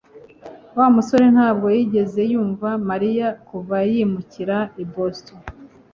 Wa musore ntabwo yigeze yumva Mariya kuva yimukira i Boston